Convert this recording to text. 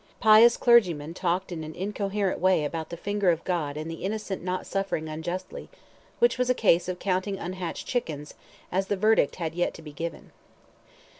Pious clergymen talked in an incoherent way about the finger of God and the innocent not suffering unjustly, which was a case of counting unhatched chickens, as the verdict had yet to be given.